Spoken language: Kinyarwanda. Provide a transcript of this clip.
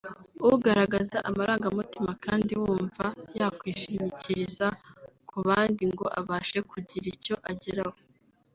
ugaragaza amarangamutima kandi wumva yakwishingirikiriza ku bandi ngo abashe kugira icyo ageraho